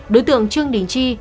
đối tượng trương đình chi